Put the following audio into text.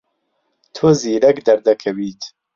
تۆ زیرەک دەردەکەویت.